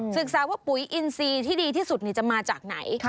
ศึกษาว่าปุ๋ยอินซีที่ดีที่สุดจะมาจากไหน